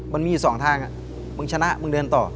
มันมีอยู่๒ทางมึงชนะมึงเดินต่อ